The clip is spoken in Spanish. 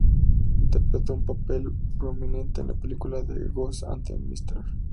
Interpretó un papel prominente en la película "The Ghost and Mr.